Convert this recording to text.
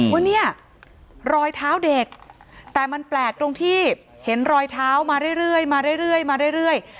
ว่านี่รอยเท้าเด็กแต่มันแปลกตรงที่เห็นรอยเท้ามาเรื่อย